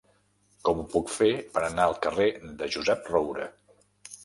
Com ho puc fer per anar al carrer de Josep Roura?